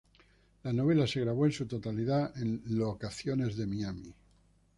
La novela se grabó en su totalidad en locaciones de Miami.